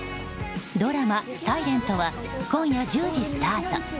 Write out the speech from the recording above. ドラマ「ｓｉｌｅｎｔ」は今夜１０時スタート。